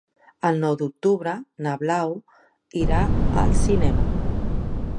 El nou d'octubre na Blau irà al cinema.